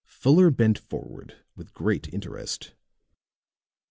Fuller bent forward with great interest.